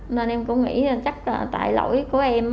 nên em cũng nghĩ là chắc là tại lỗi của em